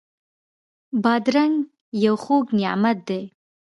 بادرنګ یو خوږ نعمت دی.